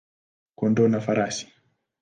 kondoo na farasi.